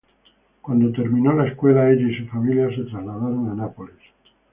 Cuando terminó la escuela ella y su familia se trasladaron a Nápoles.